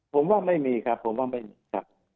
ผมว่าไม่มีครับผมว่าไม่มีครับ